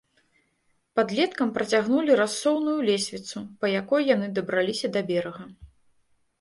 Падлеткам працягнулі рассоўную лесвіцу, па якой яны дабраліся да берага.